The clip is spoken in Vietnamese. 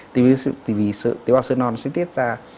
tế bào sơ non nó sẽ tiết ra